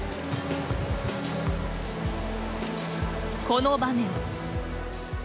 この場面。